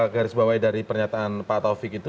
garis bawah dari pernyataan pak taufik itu